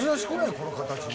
この形も。